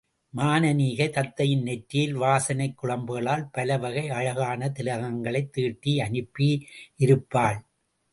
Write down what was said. மானனீகை, தத்தையின் நெற்றியில் வாசனைக் குழம்புகளால் பலவகை அழகான திலகங்களைத் தீட்டி அனுப்பியிருப்பாள்.